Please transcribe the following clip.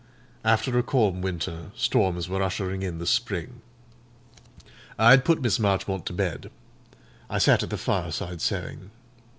After a calm winter, storms were ushering in the spring. I had put Miss Marchmont to bed; I sat at the fireside sewing.